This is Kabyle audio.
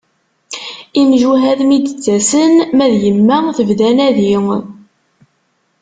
Imjuhad mi d-ttasen, ma d yemma tebda anadi.